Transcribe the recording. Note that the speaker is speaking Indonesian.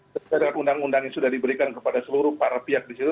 setelah undang undang yang sudah diberikan kepada seluruh pihak di situ